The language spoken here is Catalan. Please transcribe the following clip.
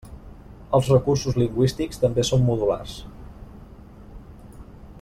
Els recursos lingüístics també són modulars.